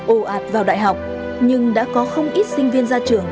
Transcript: ồ ạt vào đại học nhưng đã có không ít sinh viên ra trường